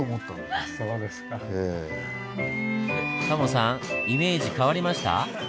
タモさんイメージ変わりました？